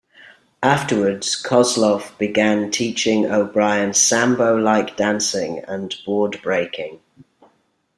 Afterwards, Kozlov began teaching O'Brian sambo-like dancing and board breaking.